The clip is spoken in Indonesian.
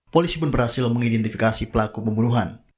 polisi pun berhasil mengidentifikasi pelaku pembunuhan